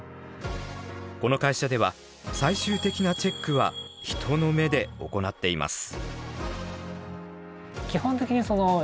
この会社では最終的なチェックは人の目で行っています。